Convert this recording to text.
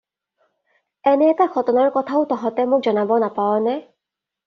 এনে এটা ঘটনাৰ কথাও তহঁতে মোক জনাব নাপাৱনে?